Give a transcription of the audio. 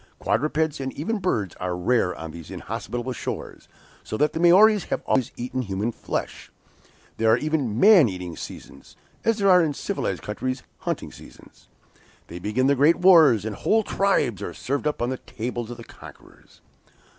Quadrupeds, and even birds, are rare on these inhospitable shores, so that the Maories have always eaten human flesh. There are even 'man eating seasons,' as there are in civilized countries hunting seasons. Then begin the great wars, and whole tribes are served up on the tables of the conquerors."